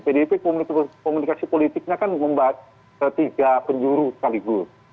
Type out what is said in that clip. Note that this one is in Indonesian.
pdp komunikasi politiknya kan mengombat ketiga penjuru sekaligus